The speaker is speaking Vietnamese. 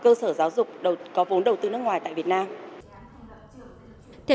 cơ sở giáo dục có vốn đầu tư nước ngoài tại việt nam theo